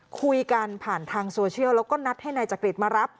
คุยกันผ่านทางโซเชียลแล้วก็นัดให้นายจักริตมารับ